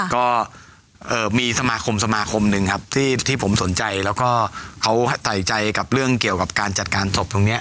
ก็มีสมาคมสมาคมหนึ่งครับที่ผมสนใจแล้วก็เขาใส่ใจกับเรื่องเกี่ยวกับการจัดการศพตรงนี้